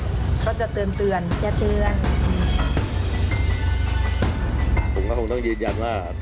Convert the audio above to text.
เขาจะเตือนเตือนเดี๋ยวเตือนผมก็คงต้องยืนยันว่า